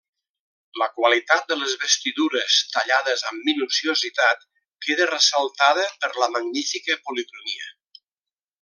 La qualitat de les vestidures tallades amb minuciositat, queda ressaltada per la magnífica policromia.